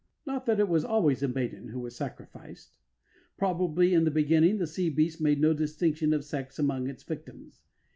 Not that it was always a maiden who was sacrificed. Probably in the beginning the sea beast made no distinction of sex among its victims.